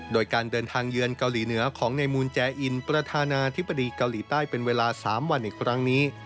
โดยการเดินทางเยือนเกาหลีเหนือของในมูลแจอินประธานาธิบดีเกาหลีใต้เป็นเวลา๓วันอีกครั้งนี้